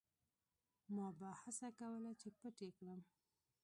ما به هڅه کوله چې پټ یې کړم.